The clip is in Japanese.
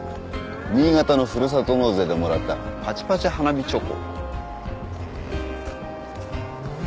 新潟のふるさと納税でもらったパチパチ花火チョコ。